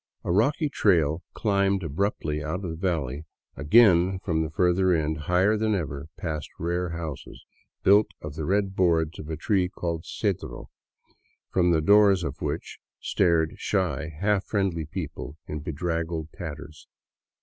A rocky trail climbed abruptly up out of the valley again from the further end, higher than ever, past rare houses, built of the red boards of a tree called cedro, from the doors of which stared shy, half friendly people in bedraggled tatters.